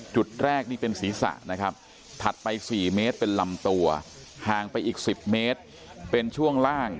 จุดแรกนี่เป็นศีรษะนะครับถัดไป๔เมตรเป็นลำตัวห่างไปอีก๑๐เมตรเป็นช่วงล่าง